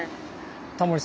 タモリさん